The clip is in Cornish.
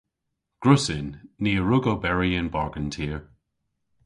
Gwrussyn. Ni a wrug oberi yn bargen tir.